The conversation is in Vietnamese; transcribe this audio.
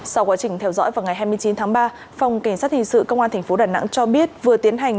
sau quá trình theo dõi vào ngày hai mươi chín tháng ba phòng cảnh sát hình sự công an tp đà nẵng cho biết vừa tiến hành